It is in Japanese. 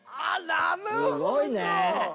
すごいね！